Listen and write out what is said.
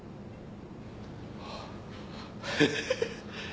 ヘヘヘ！